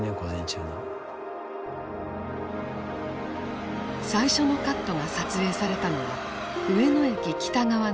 最初のカットが撮影されたのは上野駅北側の線路上。